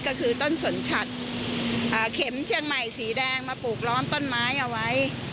ก็คือต้นสนชัดเข็มเชียงใหม่สีแดงมาปลูกล้อมต้นไม้เอาไว้